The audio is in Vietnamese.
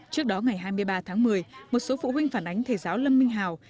trước đó ngày hai mươi ba tháng một mươi một số phụ huynh phản ánh thầy giáo lâm minh hào